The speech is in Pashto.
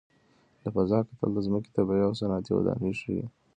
له فضا کتل د ځمکې طبیعي او صنعتي ودانۍ ښيي.